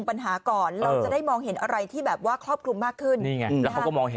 เราจะได้มองเห็นอะไรที่ครอบคลุมมากขึ้น